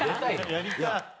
やりたい。